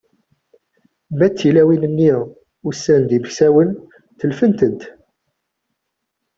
Ma d tilawin-nni, usan-d imeksawen, telfent-tent.